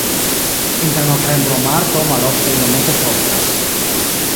Inter novembro-marto malofte iomete frostas.